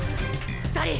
２人！！